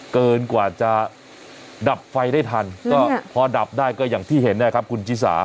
เกินกว่าจะดับไฟได้ทันก็พอดับได้ก็อย่างที่เห็นนะครับคุณชิสา